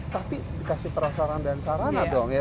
tapi dikasih prasarana dan sarana dong ya